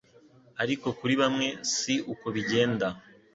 Ariko kuri bamwe si uko bigenda